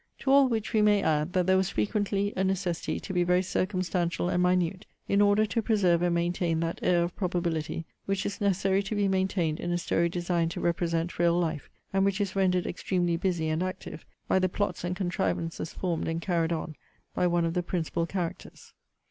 To all which we may add, that there was frequently a necessity to be very circumstantial and minute, in order to preserve and maintain that air of probability, which is necessary to be maintained in a story designed to represent real life; and which is rendered extremely busy and active by the plots and contrivances formed and carried on by one of the principal characters.